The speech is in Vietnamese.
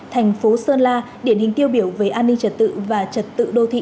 thành phố sơn la điển hình tiêu biểu về an ninh trật tự và trật tự đô thị